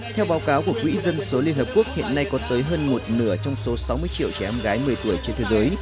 theo báo cáo của quỹ dân số liên hợp quốc hiện nay có tới hơn một nửa trong số sáu mươi triệu trẻ em gái một mươi tuổi trên thế giới